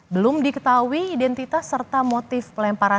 belum diketahui identitas serta motif pelemparan